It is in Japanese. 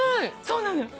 そうなのよ。